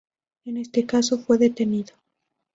En este caso fue detenido.